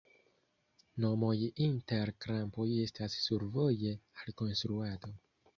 Nomoj inter krampoj estas survoje al konstruado.